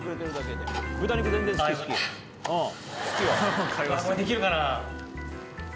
できるかな？